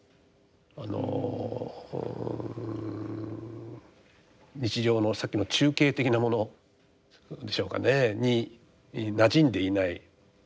あの日常のさっきの中景的なものでしょうかねになじんでいない。